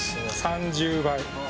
３０倍。